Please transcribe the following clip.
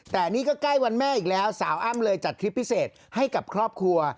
แต่นี่ก็ใกล้วันแม่อีกแล้วสาวอ้ำเลยจัดคลิปพิเศษให้กับครอบครัว